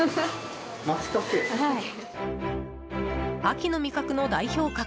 秋の味覚の代表格